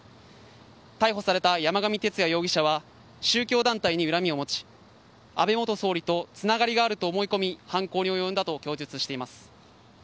逮捕された山上徹也容疑者は宗教団体に恨みを持ち安倍元総理とつながりがあると思い込み犯行に及んだと供述しています。